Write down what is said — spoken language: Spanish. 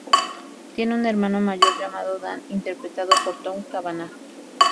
Tiene un hermano mayor, llamado Dan, interpretado por Tom Cavanagh.